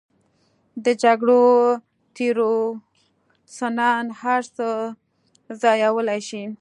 د جګړو تیورسنان هر څه ځایولی شي.